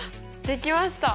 できました！